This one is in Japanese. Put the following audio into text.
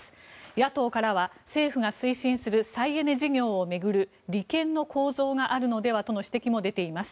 野党からは政府が推進する再エネ事業を巡る利権の構造があるのではとの指摘も出ています。